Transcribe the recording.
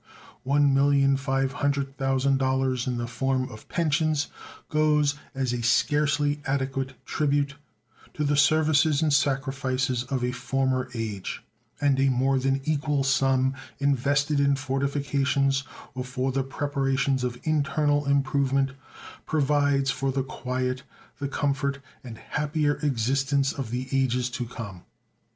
$1,500,000, in the form of pensions, goes as a scarcely adequate tribute to the services and sacrifices of a former age, and a more than equal sum invested in fortifications, or for the preparations of internal improvement, provides for the quiet, the comfort, and happier existence of the ages to come.